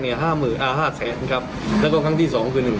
ห้าหมื่นอ่าห้าแสนครับแล้วก็ครั้งที่สองคือหนึ่ง